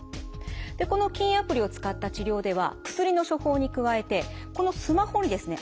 でこの禁煙アプリを使った治療では薬の処方に加えてこのスマホにですね